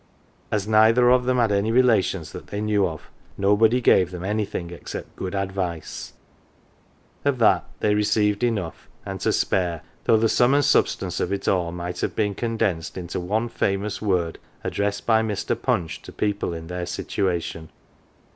As neither of them had any relations that they knew of, nobody gave them anything except good advice. Of that they received enough and to spare, though the sum and substance of it all might have been condensed into the one famous word addressed by Mr. Punch to people in their situation.